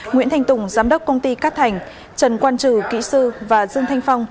nguyễn thành tùng giám đốc công ty cát thành trần quan trừ kỹ sư và dương thanh phong